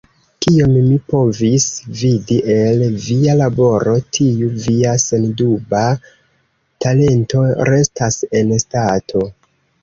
Kiom mi povis vidi el via laboro, tiu via senduba talento restas en stato.